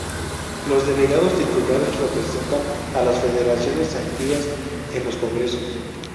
Los delegados titulares representan a las Federaciones activas en los Congresos.